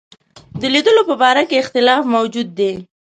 د لیدلو په باره کې اختلاف موجود دی.